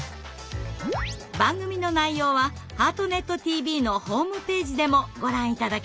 番組の内容は「ハートネットＴＶ」のホームページでもご覧頂けます。